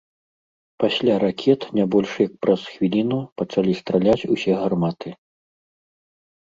Пасля ракет не больш як праз хвіліну пачалі страляць усе гарматы.